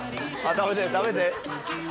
食べて食べて。